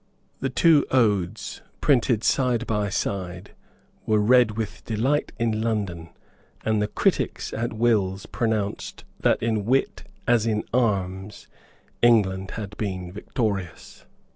The two odes, printed side by side, were read with delight in London; and the critics at Will's pronounced that, in wit as in arms, England had been victorious.